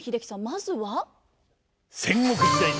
まずは。